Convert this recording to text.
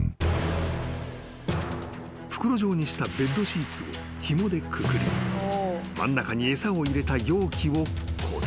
［袋状にしたベッドシーツをひもでくくり真ん中に餌を入れた容器を固定］